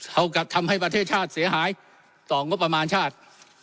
เอากลับทำให้ประเทศชาติเสียหายต่องบประมาณชาติ